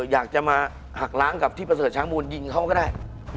อยากจะมาหักล้างกับที่ประเสริฐช้างมูลยิงเขาก็ได้